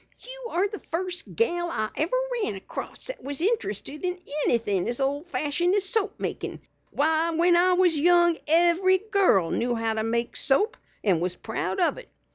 "You are the first gal I ever ran across that was interested in anything as old fashioned as soap makin'. Why, when I was young every girl knew how to make soap and was proud of it.